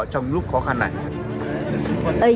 trong lúc khó khăn này